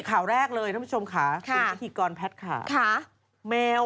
ข่าวแรกเลยท่านผู้ชมค่ะค่ะพิธีกรแพทย์ค่ะค่ะแมวอ่ะ